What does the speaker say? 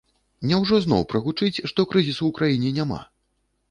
Няўжо зноў прагучыць, што крызісу ў краіне няма?